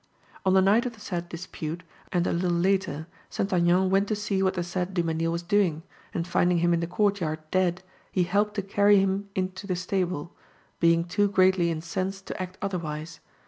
"On the night of the said dispute, and a little later, St. Aignan went to see what the said Dumesnil was doing, and finding him in the courtyard dead, he helped to carry him into the stable, being too greatly incensed to act otherwise.